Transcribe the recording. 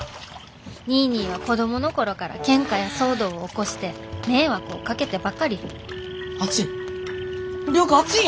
ニーニーは子供の頃からケンカや騒動を起こして迷惑をかけてばかり熱い！